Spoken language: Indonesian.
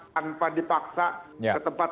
tanpa dipaksa ke tempat